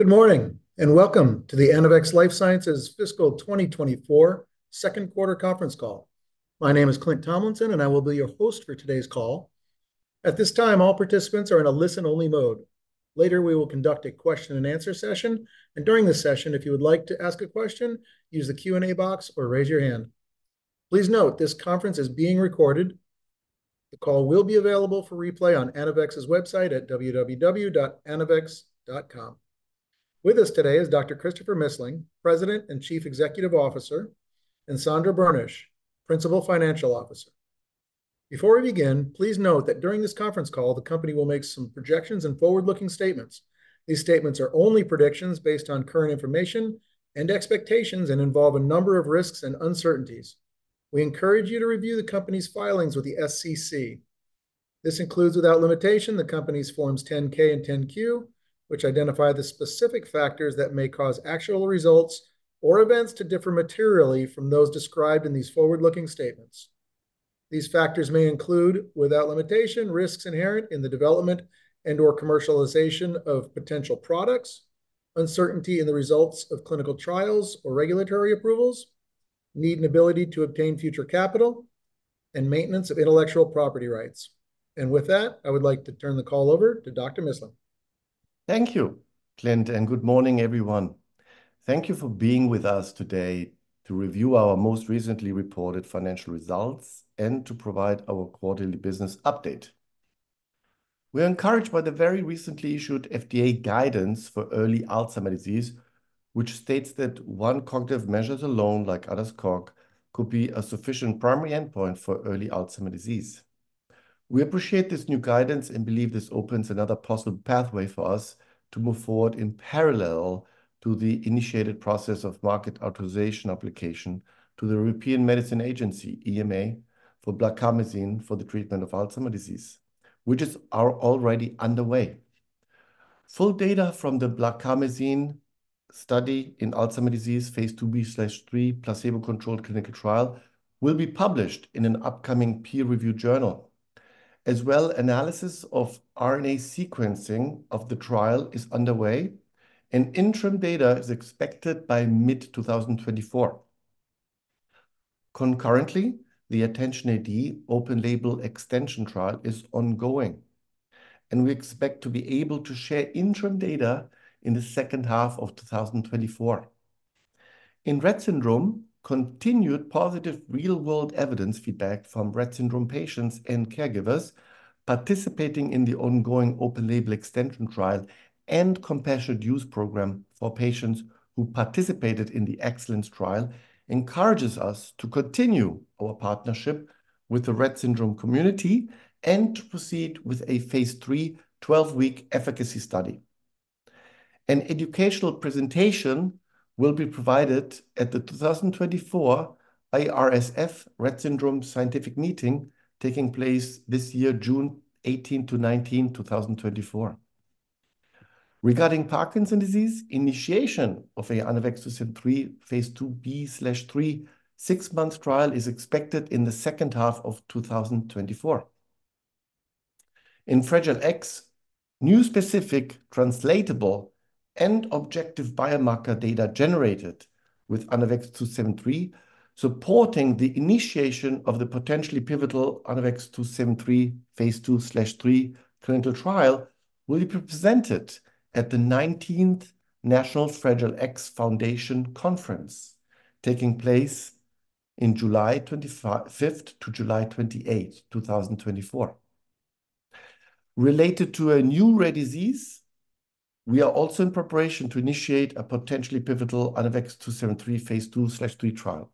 Good morning and welcome to the Anavex Life Sciences fiscal 2024 second quarter conference call. My name is Clint Tomlinson, and I will be your host for today's call. At this time, all participants are in a listen-only mode. Later we will conduct a question-and-answer session, and during this session if you would like to ask a question, use the Q&A box or raise your hand. Please note this conference is being recorded. The call will be available for replay on Anavex's website at www.anavex.com. With us today is Dr. Christopher Missling, President and Chief Executive Officer, and Sandra Boenisch, Principal Financial Officer. Before we begin, please note that during this conference call the company will make some projections and forward-looking statements. These statements are only predictions based on current information and expectations and involve a number of risks and uncertainties. We encourage you to review the company's filings with the SEC. This includes without limitation the company's Forms 10-K and 10-Q, which identify the specific factors that may cause actual results or events to differ materially from those described in these forward-looking statements. These factors may include without limitation risks inherent in the development and/or commercialization of potential products, uncertainty in the results of clinical trials or regulatory approvals, need and ability to obtain future capital, and maintenance of intellectual property rights. With that, I would like to turn the call over to Dr. Missling. Thank you, Clint, and good morning everyone. Thank you for being with us today to review our most recently reported financial results and to provide our quarterly business update. We are encouraged by the very recently issued FDA guidance for early Alzheimer's disease, which states that one cognitive measure alone, like ADAS-Cog, could be a sufficient primary endpoint for early Alzheimer's disease. We appreciate this new guidance and believe this opens another possible pathway for us to move forward in parallel to the initiated process of Marketing Authorization Application to the European Medicines Agency (EMA) for blarcamesine for the treatment of Alzheimer's disease, which is already underway. Full data from the blarcamesine study in Alzheimer's disease Phase II-B/III placebo-controlled clinical trial will be published in an upcoming peer-reviewed journal. As well, analysis of RNA sequencing of the trial is underway, and interim data is expected by mid-2024. Concurrently, the ATTENTION-AD open-label extension trial is ongoing, and we expect to be able to share interim data in the second half of 2024. In Rett syndrome, continued positive real-world evidence feedback from Rett syndrome patients and caregivers participating in the ongoing open-label extension trial and compassionate use program for patients who participated in the EXCELLENCE trial encourages us to continue our partnership with the Rett syndrome community and to proceed with a phase III 12-week efficacy study. An educational presentation will be provided at the 2024 IRSF Rett Syndrome Scientific Meeting taking place this year, June 18 to 19, 2024. Regarding Parkinson's disease, initiation of an ANAVEX®2-73 phase II-B/III six-month trial is expected in the second half of 2024. In Fragile X, new specific translatable and objective biomarker data generated with ANAVEX®2-73 supporting the initiation of the potentially pivotal ANAVEX®2-73 phase II/III clinical trial will be presented at the 19th National Fragile X Foundation Conference taking place July 25 to July 28, 2024. Related to a new rare disease, we are also in preparation to initiate a potentially pivotal ANAVEX®2-73 phase II/III trial.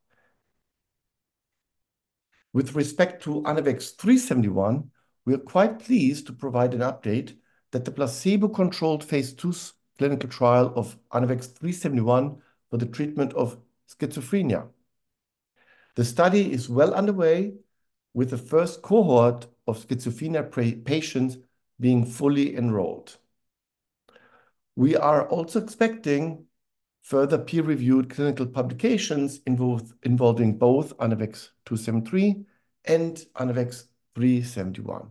With respect to ANAVEX®3-71, we are quite pleased to provide an update that the placebo-controlled phase II clinical trial of ANAVEX®3-71 for the treatment of schizophrenia, the study is well underway, with the first cohort of schizophrenia patients being fully enrolled. We are also expecting further peer-reviewed clinical publications involving both ANAVEX®2-73 and ANAVEX®3-71.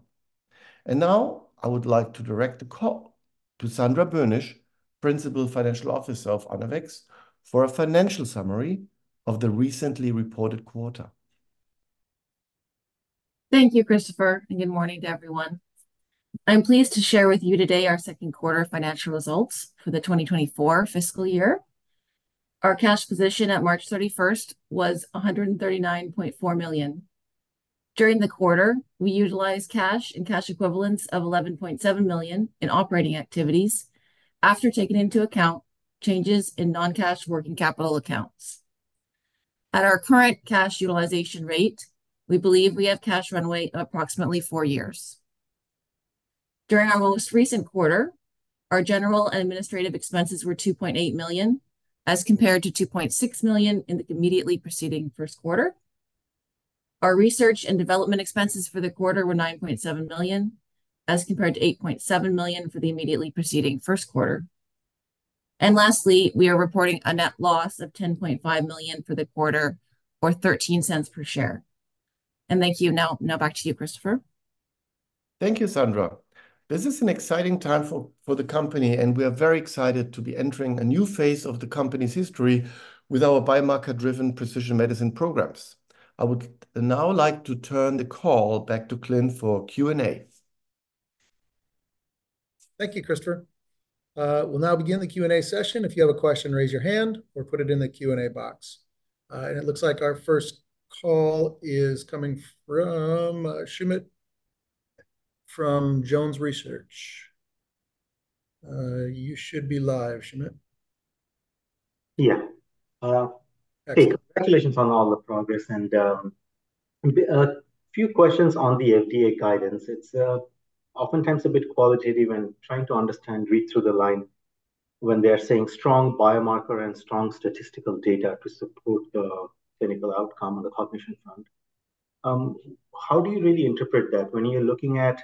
Now I would like to direct the call to Sandra Boenisch, Principal Financial Officer of Anavex, for a financial summary of the recently reported quarter. Thank you, Christopher, and good morning to everyone. I'm pleased to share with you today our second quarter financial results for the 2024 fiscal year. Our cash position at March 31 was $139.4 million. During the quarter, we utilized cash and cash equivalents of $11.7 million in operating activities after taking into account changes in non-cash working capital accounts. At our current cash utilization rate, we believe we have cash runway of approximately four years. During our most recent quarter, our general and administrative expenses were $2.8 million as compared to $2.6 million in the immediately preceding first quarter. Our research and development expenses for the quarter were $9.7 million as compared to $8.7 million for the immediately preceding first quarter. Lastly, we are reporting a net loss of $10.5 million for the quarter, or $0.13 per share. Thank you. Now back to you, Christopher. Thank you, Sandra. This is an exciting time for the company, and we are very excited to be entering a new phase of the company's history with our biomarker-driven precision medicine programs. I would now like to turn the call back to Clint for Q&A. Thank you, Christopher. We'll now begin the Q&A session. If you have a question, raise your hand or put it in the Q&A box. And it looks like our first call is coming from Soumit from Jones Research. You should be live, Soumit. Yeah. Hey, congratulations on all the progress. And a few questions on the FDA guidance. It's oftentimes a bit qualitative and trying to understand, read through the line when they are saying strong biomarker and strong statistical data to support the clinical outcome on the cognition front. How do you really interpret that? When you're looking at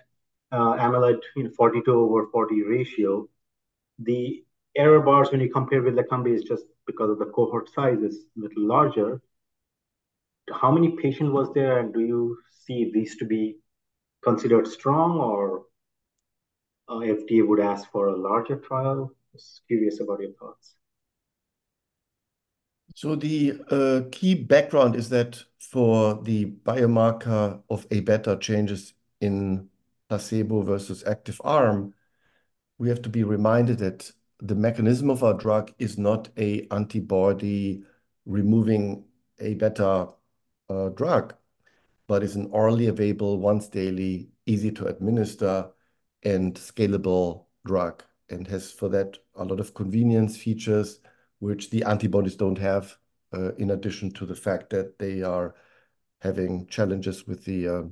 Aβ42/40 ratio, the error bars when you compare with the company is just because of the cohort size is a little larger. How many patients was there, and do you see these to be considered strong, or FDA would ask for a larger trial? Just curious about your thoughts. So the key background is that for the biomarker of Aβ changes in placebo versus active arm, we have to be reminded that the mechanism of our drug is not an antibody removing Aβ drug, but is an orally available, once daily, easy-to-administer, and scalable drug and has for that a lot of convenience features which the antibodies don't have, in addition to the fact that they are having challenges with the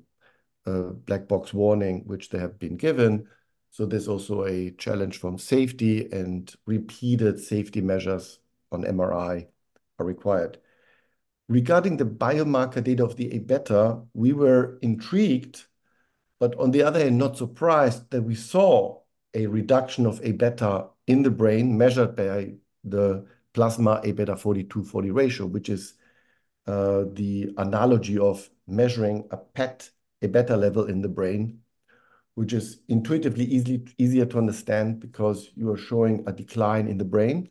black box warning which they have been given. So there's also a challenge from safety, and repeated safety measures on MRI are required. Regarding the biomarker data of the Aβ, we were intrigued, but on the other hand, not surprised that we saw a reduction of Aβ in the brain measured by the plasma Aβ42/40 ratio, which is the analogy of measuring a PET Aβ level in the brain, which is intuitively easier to understand because you are showing a decline in the brain.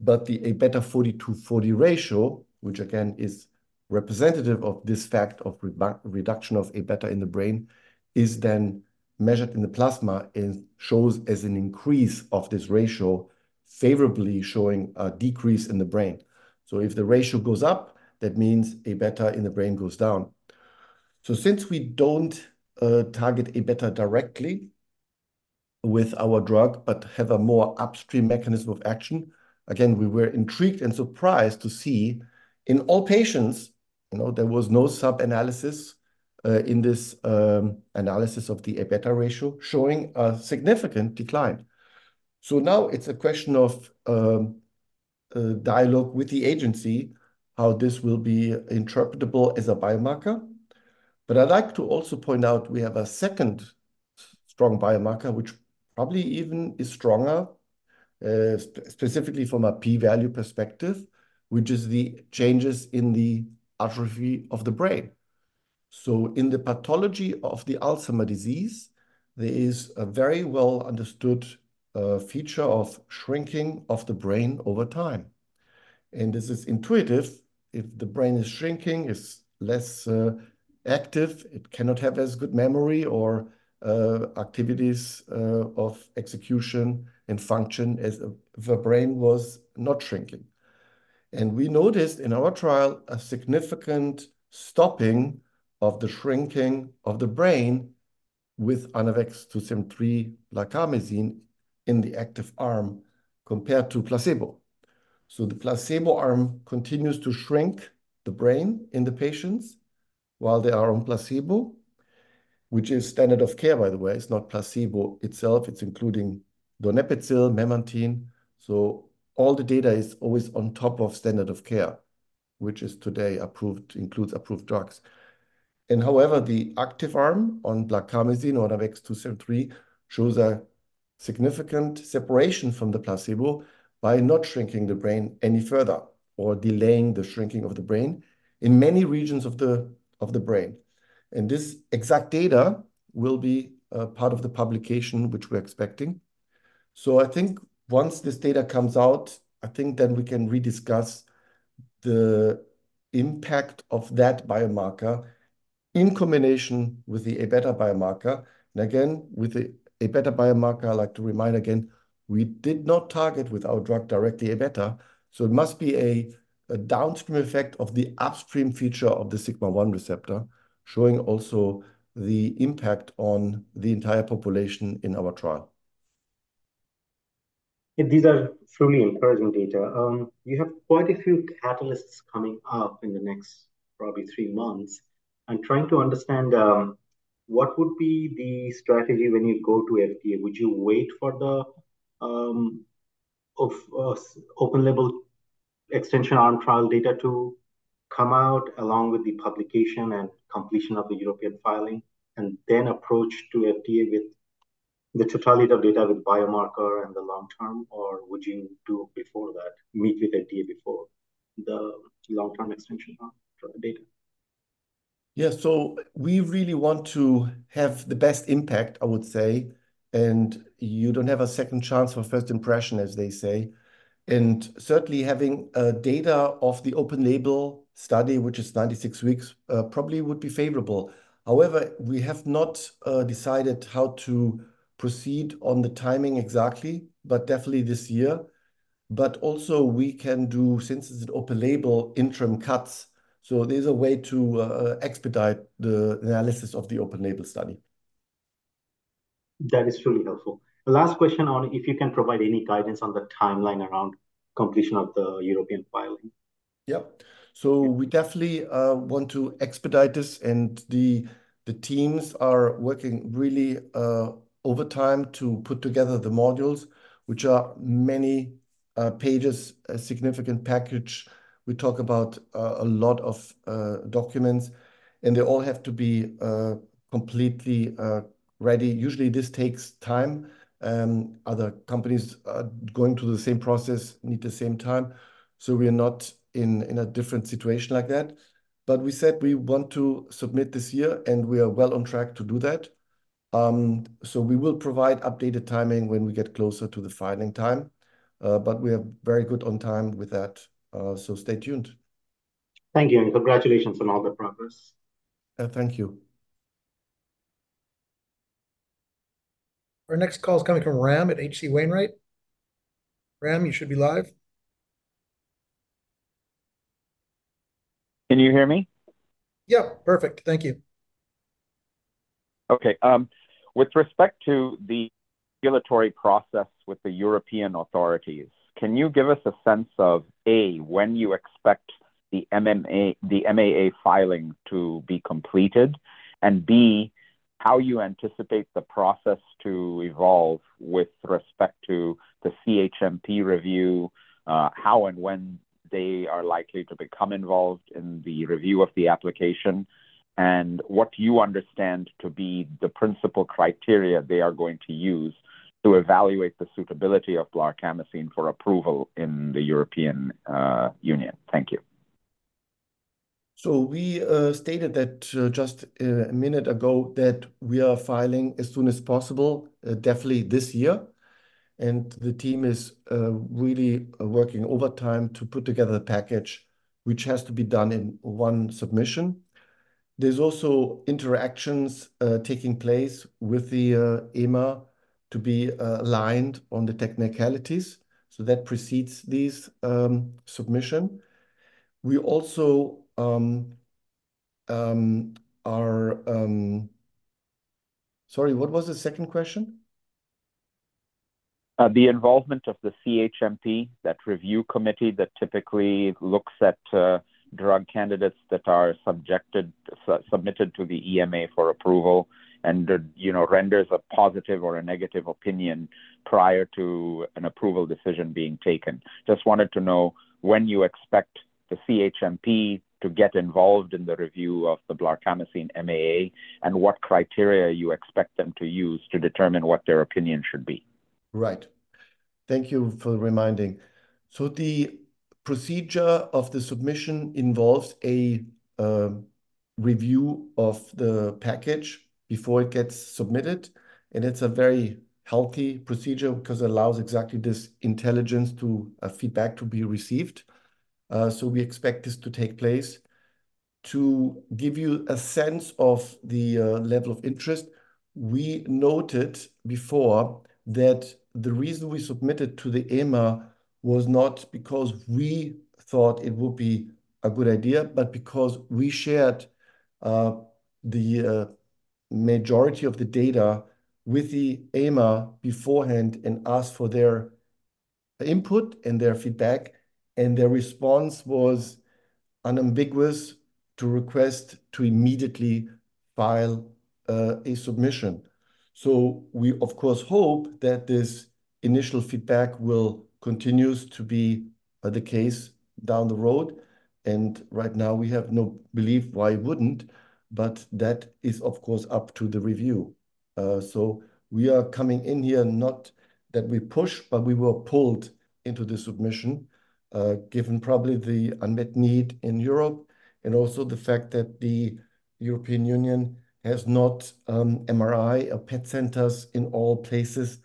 But the Aβ42/40 ratio, which again is representative of this fact of reduction of Aβ in the brain, is then measured in the plasma and shows as an increase of this ratio, favorably showing a decrease in the brain. So if the ratio goes up, that means Aβ in the brain goes down. So since we don't target Aβ directly with our drug but have a more upstream mechanism of action, again, we were intrigued and surprised to see in all patients, there was no sub-analysis in this analysis of the Aβ ratio showing a significant decline. So now it's a question of dialogue with the agency how this will be interpretable as a biomarker. But I'd like to also point out we have a second strong biomarker which probably even is stronger, specifically from a p-value perspective, which is the changes in the atrophy of the brain. So in the pathology of the Alzheimer's disease, there is a very well-understood feature of shrinking of the brain over time. And this is intuitive. If the brain is shrinking, it's less active. It cannot have as good memory or activities of execution and function as the brain was not shrinking. We noticed in our trial a significant stopping of the shrinking of the brain with ANAVEX®2-73 blarcamesine in the active arm compared to placebo. So the placebo arm continues to shrink the brain in the patients while they are on placebo, which is standard of care, by the way. It's not placebo itself. It's including donepezil, memantine. So all the data is always on top of standard of care, which is today includes approved drugs. However, the active arm on blarcamesine or ANAVEX®2-73 shows a significant separation from the placebo by not shrinking the brain any further or delaying the shrinking of the brain in many regions of the brain. And this exact data will be part of the publication which we're expecting. So I think once this data comes out, I think then we can rediscuss the impact of that biomarker in combination with the Aβ biomarker. And again, with the Aβ biomarker, I'd like to remind again, we did not target with our drug directly Aβ. So it must be a downstream effect of the upstream feature of the Sigma-1 receptor showing also the impact on the entire population in our trial. These are truly encouraging data. You have quite a few catalysts coming up in the next probably three months. Trying to understand what would be the strategy when you go to FDA, would you wait for the open-label extension arm trial data to come out along with the publication and completion of the European filing and then approach to FDA with the totality of data with biomarker and the long-term, or would you do it before that, meet with FDA before the long-term extension arm data? Yeah. So we really want to have the best impact, I would say. And you don't have a second chance for first impression, as they say. And certainly, having data of the open label study, which is 96 weeks, probably would be favorable. However, we have not decided how to proceed on the timing exactly, but definitely this year. But also, we can do, since it's an open label, interim cuts. So there's a way to expedite the analysis of the open label study. That is truly helpful. A last question on if you can provide any guidance on the timeline around completion of the European filing. Yeah. So we definitely want to expedite this. The teams are working really overtime to put together the modules, which are many pages, a significant package. We talk about a lot of documents, and they all have to be completely ready. Usually, this takes time. Other companies going through the same process need the same time. We are not in a different situation like that. We said we want to submit this year, and we are well on track to do that. We will provide updated timing when we get closer to the filing time. We are very good on time with that. Stay tuned. Thank you. Congratulations on all the progress. Thank you. Our next call is coming from Ram at H.C. Wainwright. Ram, you should be live. Can you hear me? Yeah. Perfect. Thank you. Okay. With respect to the regulatory process with the European authorities, can you give us a sense of, A, when you expect the MAA filing to be completed, and B, how you anticipate the process to evolve with respect to the CHMP review, how and when they are likely to become involved in the review of the application, and what you understand to be the principal criteria they are going to use to evaluate the suitability of blarcamesine for approval in the European Union? Thank you. So we stated that just a minute ago that we are filing as soon as possible, definitely this year. And the team is really working overtime to put together the package, which has to be done in one submission. There's also interactions taking place with the EMA to be aligned on the technicalities. So that precedes these submissions. We also are sorry, what was the second question? The involvement of the CHMP, that review committee that typically looks at drug candidates that are submitted to the EMA for approval and renders a positive or a negative opinion prior to an approval decision being taken. Just wanted to know when you expect the CHMP to get involved in the review of the blarcamesine MAA and what criteria you expect them to use to determine what their opinion should be. Right. Thank you for reminding. The procedure of the submission involves a review of the package before it gets submitted. It's a very healthy procedure because it allows exactly this intelligent feedback to be received. We expect this to take place. To give you a sense of the level of interest, we noted before that the reason we submitted to the EMA was not because we thought it would be a good idea, but because we shared the majority of the data with the EMA beforehand and asked for their input and their feedback. Their response was an unambiguous request to immediately file a submission. We, of course, hope that this initial feedback will continue to be the case down the road. Right now, we have no reason why it wouldn't. That is, of course, up to the review. So we are coming in here not that we push, but we were pulled into the submission given probably the unmet need in Europe and also the fact that the European Union has no MRI or PET centers in all places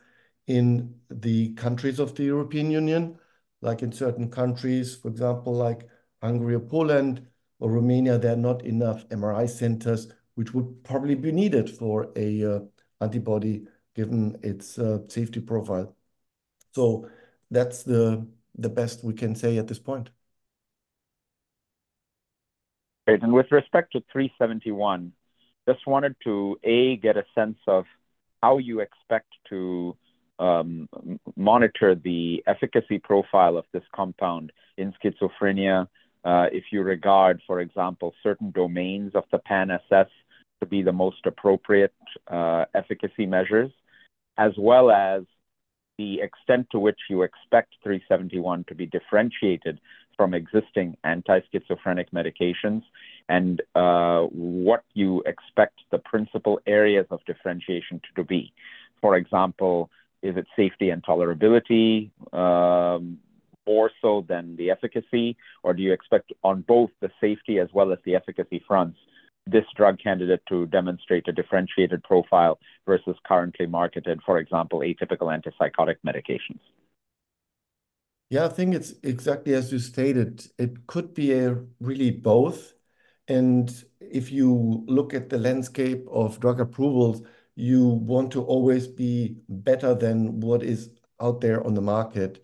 in the countries of the European Union. Like in certain countries, for example, like Hungary or Poland or Romania, there are not enough MRI centers, which would probably be needed for an antibody given its safety profile. So that's the best we can say at this point. Great. And with respect to 371, just wanted to, A, get a sense of how you expect to monitor the efficacy profile of this compound in schizophrenia if you regard, for example, certain domains of the PANSS to be the most appropriate efficacy measures, as well as the extent to which you expect 371 to be differentiated from existing anti-schizophrenic medications and what you expect the principal areas of differentiation to be. For example, is it safety and tolerability more so than the efficacy, or do you expect on both the safety as well as the efficacy fronts, this drug candidate to demonstrate a differentiated profile versus currently marketed, for example, atypical antipsychotic medications? Yeah. I think it's exactly as you stated. It could be really both. And if you look at the landscape of drug approvals, you want to always be better than what is out there on the market.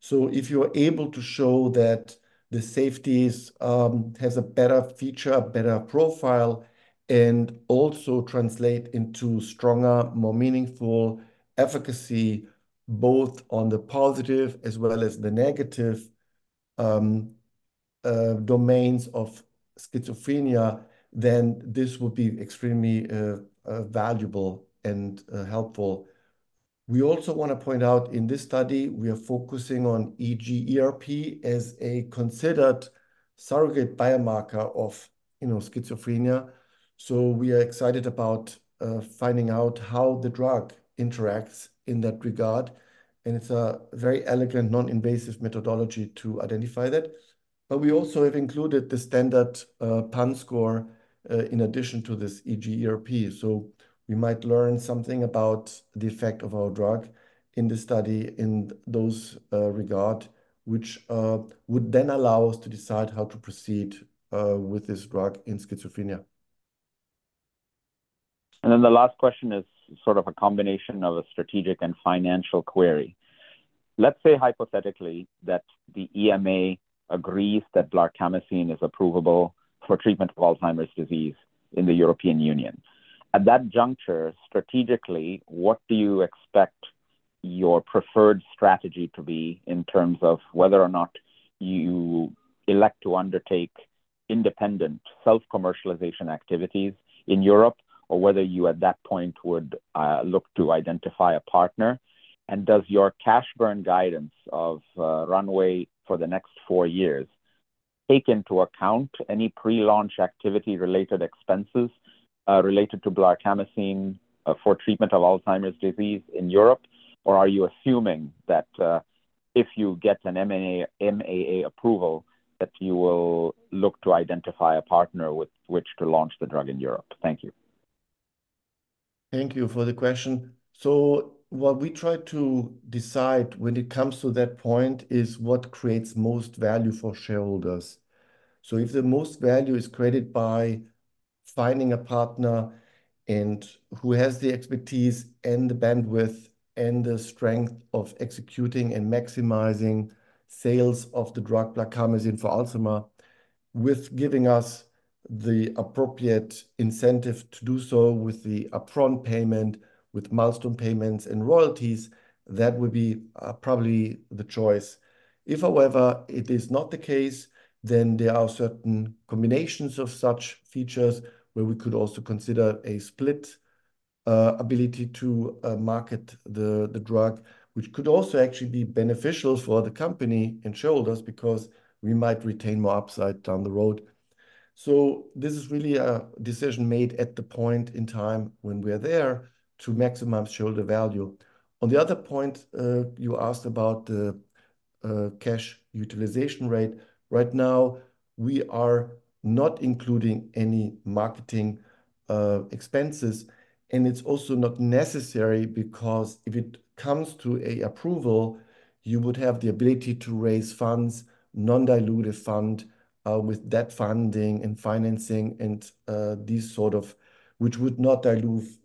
So if you're able to show that the safeties have a better feature, better profile, and also translate into stronger, more meaningful efficacy both on the positive as well as the negative domains of schizophrenia, then this would be extremely valuable and helpful. We also want to point out in this study, we are focusing on EEG/ERP as a considered surrogate biomarker of schizophrenia. So we are excited about finding out how the drug interacts in that regard. And it's a very elegant, non-invasive methodology to identify that. But we also have included the standard PANSS score in addition to this EEG/ERP. So we might learn something about the effect of our drug in this study in those regards, which would then allow us to decide how to proceed with this drug in schizophrenia. Then the last question is sort of a combination of a strategic and financial query. Let's say hypothetically that the EMA agrees that blarcamesine is approvable for treatment of Alzheimer's disease in the European Union. At that juncture, strategically, what do you expect your preferred strategy to be in terms of whether or not you elect to undertake independent self-commercialization activities in Europe or whether you, at that point, would look to identify a partner? And does your cash burn guidance of runway for the next four years take into account any pre-launch activity-related expenses related to blarcamesine for treatment of Alzheimer's disease in Europe? Or are you assuming that if you get an MAA approval, that you will look to identify a partner with which to launch the drug in Europe? Thank you. Thank you for the question. So what we try to decide when it comes to that point is what creates most value for shareholders. So if the most value is created by finding a partner who has the expertise and the bandwidth and the strength of executing and maximizing sales of the drug blarcamesine for Alzheimer's, with giving us the appropriate incentive to do so with the upfront payment, with milestone payments and royalties, that would be probably the choice. If, however, it is not the case, then there are certain combinations of such features where we could also consider a split ability to market the drug, which could also actually be beneficial for the company and shareholders because we might retain more upside down the road. So this is really a decision made at the point in time when we are there to maximize shareholder value. On the other point, you asked about the cash utilization rate. Right now, we are not including any marketing expenses. It's also not necessary because if it comes to an approval, you would have the ability to raise funds, non-dilutive fund, with that funding and financing and these sort of which would not dilute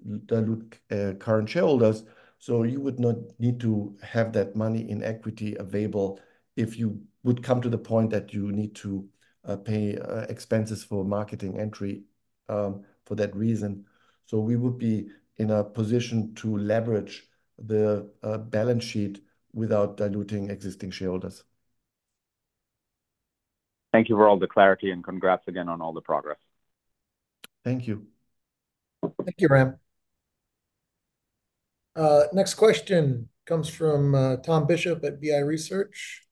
current shareholders. You would not need to have that money in equity available if you would come to the point that you need to pay expenses for marketing entry for that reason. We would be in a position to leverage the balance sheet without diluting existing shareholders. Thank you for all the clarity. Congrats again on all the progress. Thank you. Thank you, Ram. Next question comes from Tom Bishop at BI Research.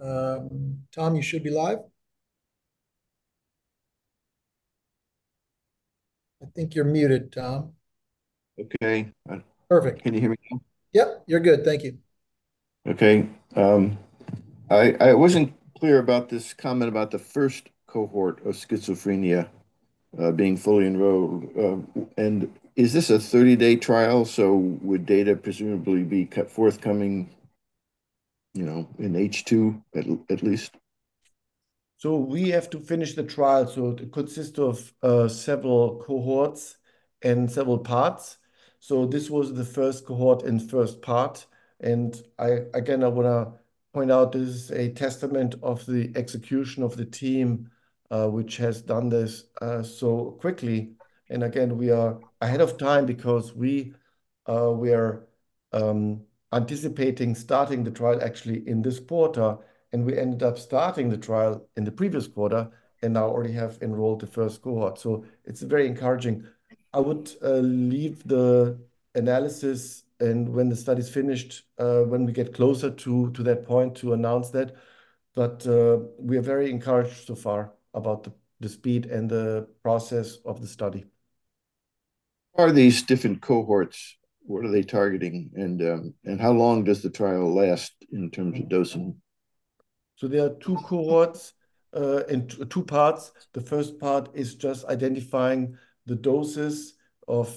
Tom, you should be live. I think you're muted, Tom. Okay. Perfect. Can you hear me now? Yeah. You're good. Thank you. Okay. I wasn't clear about this comment about the first cohort of schizophrenia being fully enrolled. Is this a 30-day trial? Would data presumably be forthcoming in H2, at least? We have to finish the trial. It consists of several cohorts and several parts. This was the first cohort and first part. Again, I want to point out this is a testament of the execution of the team, which has done this so quickly. Again, we are ahead of time because we are anticipating starting the trial actually in this quarter. We ended up starting the trial in the previous quarter. Now already have enrolled the first cohort. It's very encouraging. I would leave the analysis and when the study is finished, when we get closer to that point, to announce that. But we are very encouraged so far about the speed and the process of the study. Are these different cohorts? What are they targeting? And how long does the trial last in terms of dosing? So there are two cohorts and two parts. The first part is just identifying the doses of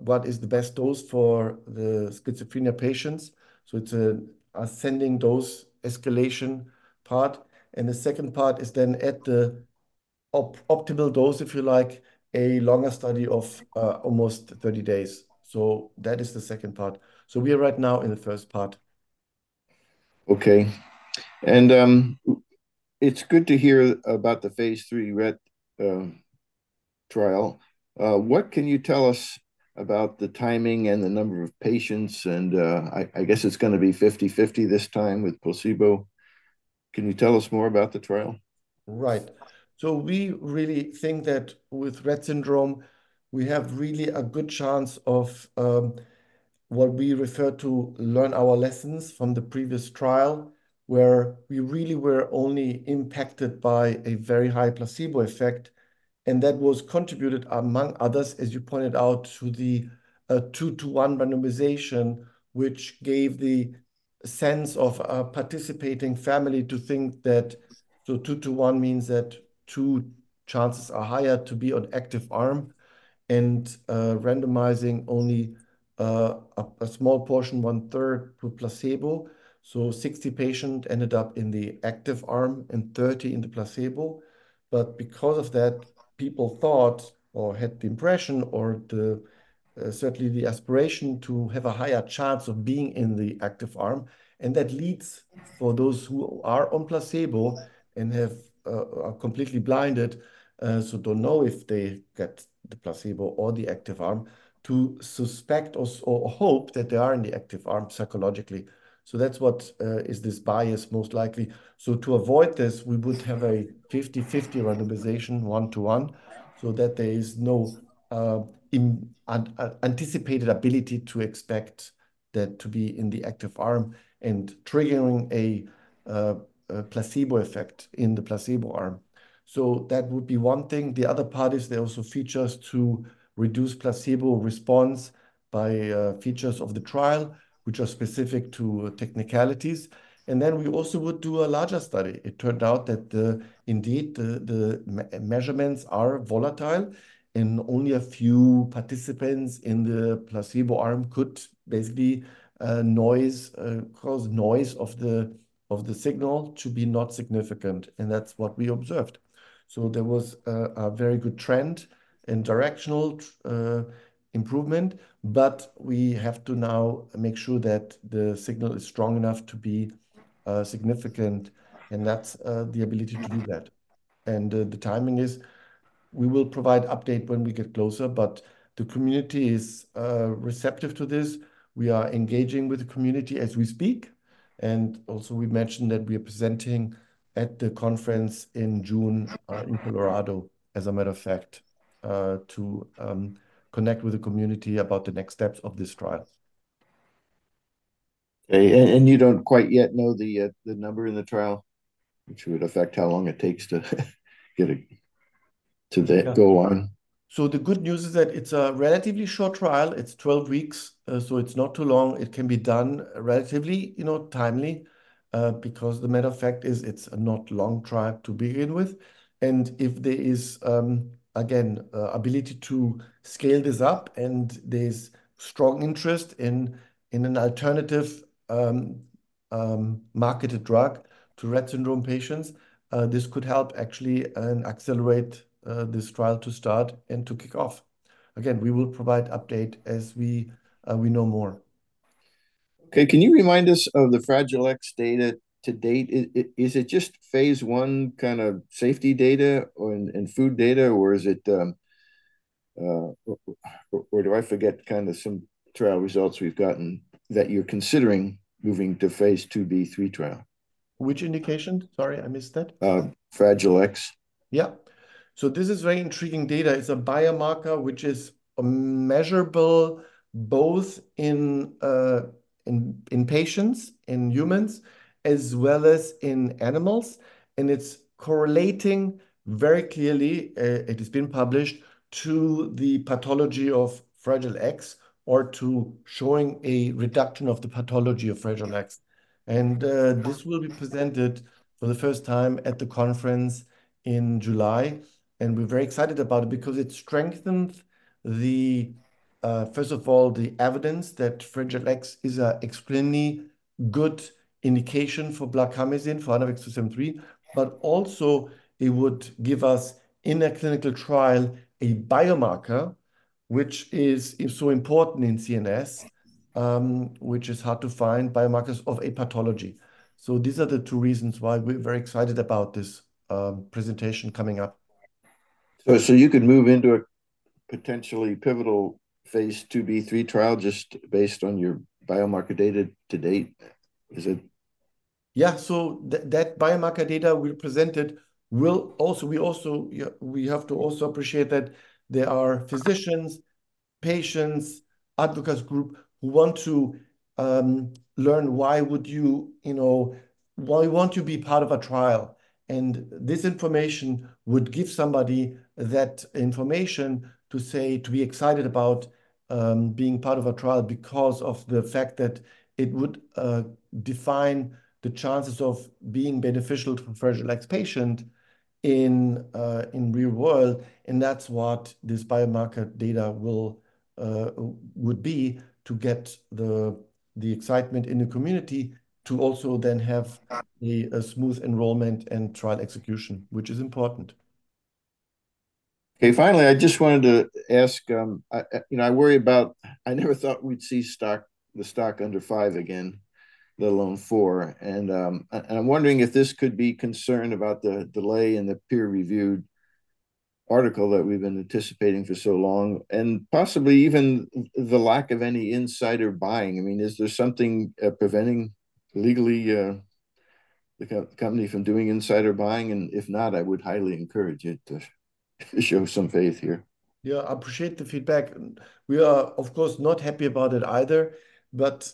what is the best dose for the schizophrenia patients. So it's an ascending dose escalation part. And the second part is then at the optimal dose, if you like, a longer study of almost 30 days. So that is the second part. So we are right now in the first part. Okay. It's good to hear about the phase 3 Rett trial. What can you tell us about the timing and the number of patients? I guess it's going to be 50/50 this time with placebo. Can you tell us more about the trial? Right. So we really think that with Rett syndrome, we have really a good chance of what we refer to learn our lessons from the previous trial where we really were only impacted by a very high placebo effect. And that was contributed, among others, as you pointed out, to the 2:1 randomization, which gave the sense of a participating family to think that so 2:1 means that two chances are higher to be on active arm and randomizing only a small portion, one-third, to placebo. So 60 patients ended up in the active arm and 30 in the placebo. But because of that, people thought or had the impression or certainly the aspiration to have a higher chance of being in the active arm. That leads for those who are on placebo and have completely blinded, so don't know if they get the placebo or the active arm, to suspect or hope that they are in the active arm psychologically. So that's what is this bias most likely. So to avoid this, we would have a 50/50 randomization, 1-to-1, so that there is no anticipated ability to expect that to be in the active arm and triggering a placebo effect in the placebo arm. So that would be one thing. The other part is there also features to reduce placebo response by features of the trial, which are specific to technicalities. Then we also would do a larger study. It turned out that, indeed, the measurements are volatile. Only a few participants in the placebo arm could basically cause noise of the signal to be not significant. That's what we observed. There was a very good trend and directional improvement. We have to now make sure that the signal is strong enough to be significant. That's the ability to do that. The timing is we will provide update when we get closer. The community is receptive to this. We are engaging with the community as we speak. Also, we mentioned that we are presenting at the conference in June in Colorado, as a matter of fact, to connect with the community about the next steps of this trial. Okay. You don't quite yet know the number in the trial, which would affect how long it takes to get it to go on? So the good news is that it's a relatively short trial. It's 12 weeks. So it's not too long. It can be done relatively timely because the matter of fact is it's not a long trial to begin with. And if there is, again, ability to scale this up and there's strong interest in an alternative marketed drug to Rett syndrome patients, this could help actually accelerate this trial to start and to kick off. Again, we will provide update as we know more. Okay. Can you remind us of the Fragile X data to date? Is it just phase one kind of safety data and food data, or is it or do I forget kind of some trial results we've gotten that you're considering moving to phase II-B/III trial? Which indication? Sorry, I missed that. Fragile X. Yeah. So this is very intriguing data. It's a biomarker, which is measurable both in patients, in humans, as well as in animals. And it's correlating very clearly, it has been published, to the pathology of Fragile X or to showing a reduction of the pathology of Fragile X. And this will be presented for the first time at the conference in July. And we're very excited about it because it strengthens, first of all, the evidence that Fragile X is an extremely good indication for blarcamesine, for ANAVEX®2-73. But also, it would give us, in a clinical trial, a biomarker, which is so important in CNS, which is hard to find, biomarkers of a pathology. So these are the two reasons why we're very excited about this presentation coming up. You could move into a potentially pivotal phase 2b/3 trial just based on your biomarker data to date, is it? Yeah. So that biomarker data we presented will also we have to also appreciate that there are physicians, patients, advocates group who want to learn why would you why you want to be part of a trial. And this information would give somebody that information to say to be excited about being part of a trial because of the fact that it would define the chances of being beneficial to a Fragile X patient in real world. And that's what this biomarker data would be to get the excitement in the community to also then have a smooth enrollment and trial execution, which is important. Okay. Finally, I just wanted to ask. I worry about I never thought we'd see the stock under $5 again, let alone $4. And I'm wondering if this could be concern about the delay in the peer-reviewed article that we've been anticipating for so long and possibly even the lack of any insider buying. I mean, is there something preventing legally the company from doing insider buying? And if not, I would highly encourage it to show some faith here. Yeah. I appreciate the feedback. We are, of course, not happy about it either. But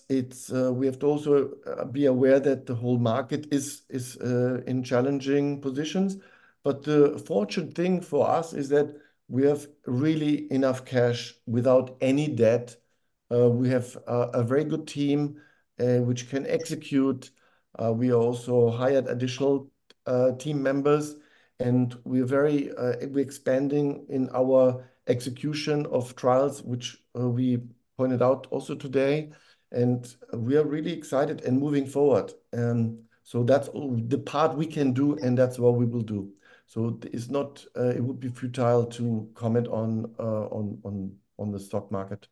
we have to also be aware that the whole market is in challenging positions. But the fortunate thing for us is that we have really enough cash without any debt. We have a very good team, which can execute. We also hired additional team members. And we're expanding in our execution of trials, which we pointed out also today. And we are really excited and moving forward. So that's the part we can do. And that's what we will do. So it would be futile to comment on the stock market.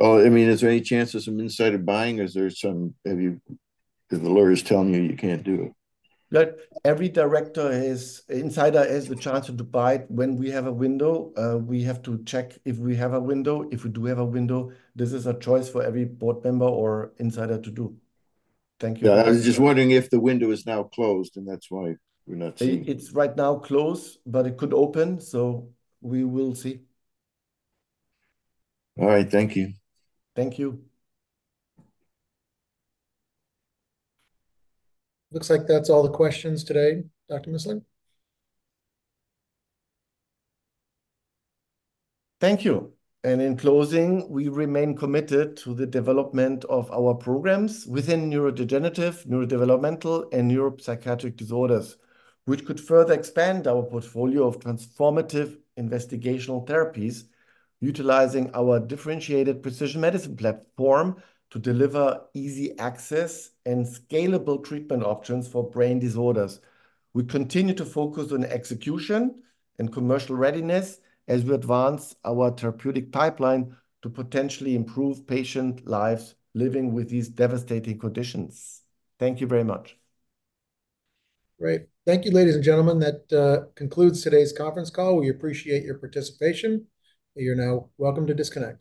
Oh, I mean, is there any chance of some insider buying? Or is there some, have you, is the lawyers telling you you can't do it? Every insider has the chance to buy it when we have a window. We have to check if we have a window. If we do have a window, this is a choice for every board member or insider to do. Thank you. Yeah. I was just wondering if the window is now closed. And that's why we're not seeing. It's right now closed. But it could open. So we will see. All right. Thank you. Thank you. Looks like that's all the questions today, Dr. Missling. Thank you. And in closing, we remain committed to the development of our programs within neurodegenerative, neurodevelopmental, and neuropsychiatric disorders, which could further expand our portfolio of transformative investigational therapies, utilizing our differentiated precision medicine platform to deliver easy access and scalable treatment options for brain disorders. We continue to focus on execution and commercial readiness as we advance our therapeutic pipeline to potentially improve patient lives living with these devastating conditions. Thank you very much. Great. Thank you, ladies and gentlemen. That concludes today's conference call. We appreciate your participation. You're now welcome to disconnect.